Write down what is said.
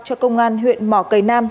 cho công an huyện mò cầy nam